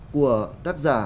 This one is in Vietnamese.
của tác giả